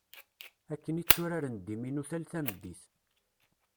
Akken i tturaren ddiminu tal tameddit.